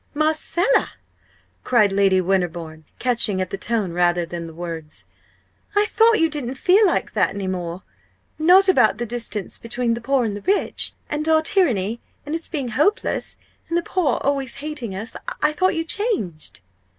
"Marcella!" cried Lady Winterbourne, catching at the tone rather than words "I thought you didn't feel like that any more not about the distance between the poor and the rich and our tyranny and its being hopeless and the poor always hating us I thought you changed."